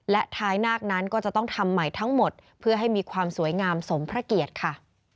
และท้ายนาคนั้นก็จะต้องทำใหม่ทั้งหมดเพื่อให้มีความสวยงามสมพระเกียรติค่ะ